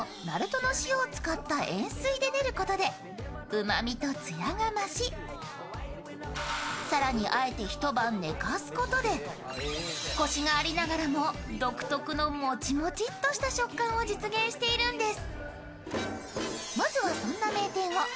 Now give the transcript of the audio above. うまみとツヤが増し更にあえて一晩寝かすことでコシがありながらも独特のもちもちっとした食感を実現しているんです。